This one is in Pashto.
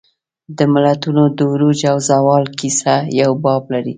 د ملتونو د عروج او زوال کیسه یو باب لري.